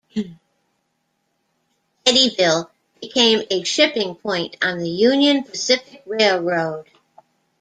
Eddyville became a shipping point on the Union Pacific Railroad.